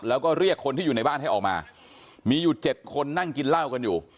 แล้วก็เรียกคนที่อยู่ในบ้านให้ออกมามีอยู่๗คนนั่งกินเหล้ากันอยู่